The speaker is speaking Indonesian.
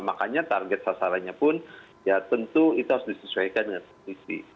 makanya target sasarannya pun ya tentu itu harus disesuaikan dengan konstitusi